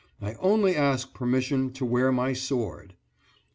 I only ask permission to wear my sword.